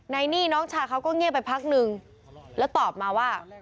ในนี่น้องชายเขาก็เงียบไปพักนึงแล้วตอบมาว่า